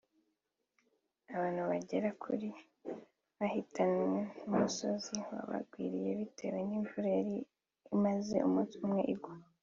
abantu bagera kuri bahitanwe n’umusozi wabagwiriye bitewe n’imvura yari imaze umunsi umwe igwa